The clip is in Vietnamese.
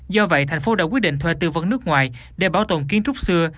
do vậy thành phố đã quyết định thuê tư vấn nước ngoài để bảo tồn kiến trúc xưa